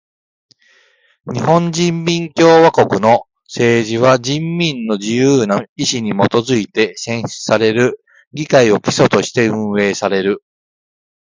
日本人民共和国の政治は人民の自由な意志にもとづいて選出される議会を基礎として運営される。